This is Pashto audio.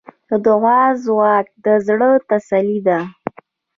د دعا ځواک د زړۀ تسلي ده.